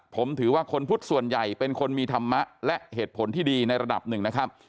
ผมถือว่าคนพุทธส่วนใหญ่เป็นคนมีธรรมะและเหตุผลที่ดีในระดับหนึ่งนะครับ